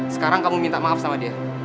sekarang kamu minta maaf sama dia